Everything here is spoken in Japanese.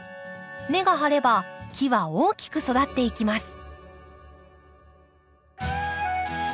根が張れば木は大きく育っていきます。